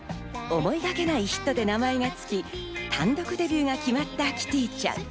思いがけないヒットで名前が付き、単独デビューが決まったキティちゃん。